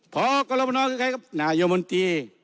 พอกรมนนายมนตรี